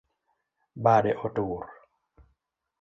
Bade otur